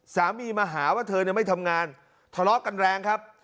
สามีมาหาว่าเธอไม่ทำงานทะเลาะกันแรงครับ